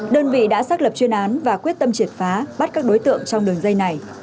đơn vị đã xác lập chuyên án và quyết tâm triệt phá bắt các đối tượng trong đường dây này